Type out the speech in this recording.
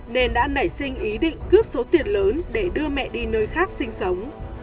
nên đã nảy sinh ý định cướp số tiền lớn để đưa mẹ đi nơi khác sinh sống